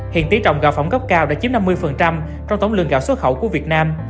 hiện tí trọng gạo phỏng cấp cao đã chiếm năm mươi trong tổng lượng gạo xuất khẩu của việt nam